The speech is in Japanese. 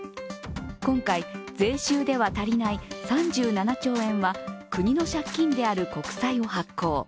今回、税収では足りない３７兆円は国の借金である国債を発行。